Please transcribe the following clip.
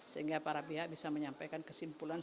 sehingga para pihak bisa menyampaikan kesimpulan